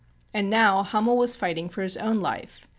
And now Hummel was fighting for his own life.